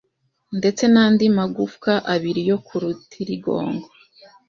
ndetse n’andi magufwa abiri yo ku rutirigongo